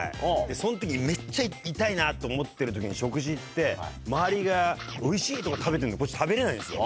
その時めっちゃ痛いなと思ってる時に食事行って周りが「おいしい」食べてるのにこっち食べれないんですよ。